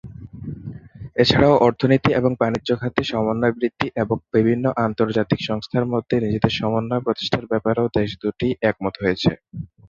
এছাড়াও অর্থনীতি এবং বাণিজ্য খাতে সমন্বয় বৃদ্ধি এবং বিভিন্ন আন্তর্জাতিক সংস্থার মধ্যে নিজেদের সমন্বয় প্রতিষ্ঠার ব্যাপারেও দেশ দুটি একমত হয়েছে।